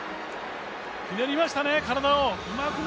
ひねりましたね、体を。